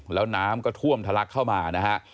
แล้วน้ำก็ท่วมทะลักเข้ามานะฮะ